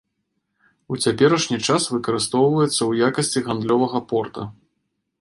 У цяперашні час выкарыстоўваецца ў якасці гандлёвага порта.